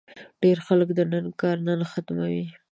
ډېری خلک د نن کار نن ختموي.